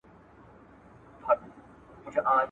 نن که یې ماشومه سبا پېغله ښایسته یې ..